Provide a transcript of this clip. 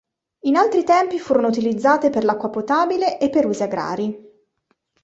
In altri tempi furono utilizzate per l'acqua potabile e per usi agrari.